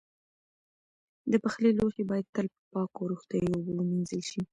د پخلي لوښي باید تل په پاکو او روغتیایي اوبو ومینځل شي.